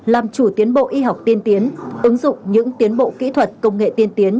làm chủ tiến bộ y học tiên tiến ứng dụng những tiến bộ kỹ thuật công nghệ tiên tiến